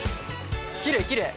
きれいきれい。